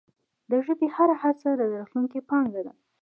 د ژبي هره هڅه د راتلونکې پانګه ده.